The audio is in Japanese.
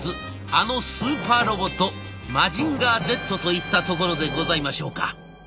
あのスーパーロボットマジンガーＺといったところでございましょうか。